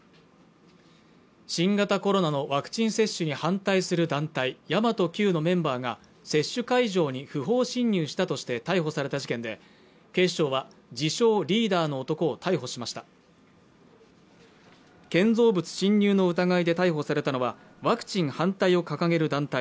新型コロナのワクチン接種に反対する団体神真都Ｑのメンバーが接種会場に不法侵入したとして逮捕された事件で警視庁は自称リーダーの男を逮捕しました建造物侵入の疑いで逮捕されたのはワクチン反対を掲げる団体